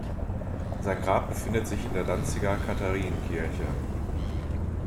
Sein Grab befindet sich in der Danziger Katharinenkirche.